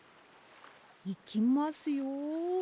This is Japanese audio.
いきますよ。